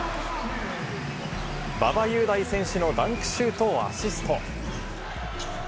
馬場雄大選手のダンクシュートをアシスト。